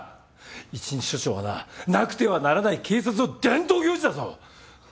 １日署長はななくてはならない警察の伝統行事だぞ！